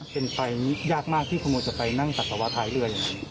เป็นใครยากมากที่คุณโมจะไปนั่งปัสสาวะท้ายเรืออย่างนั้น